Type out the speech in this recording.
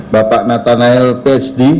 bapak natanel phd